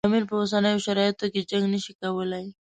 امیر په اوسنیو شرایطو کې جنګ نه شي کولای.